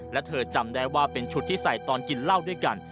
และเธอจำได้ว่าเป็นชุดที่ใส่ตอนกินเหล้าด้วยกัน